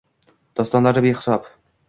Dostonlari behisob.